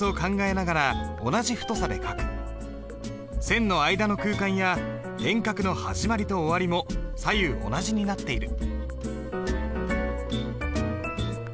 線の間の空間や点画の始まりと終わりも左右同じになっている。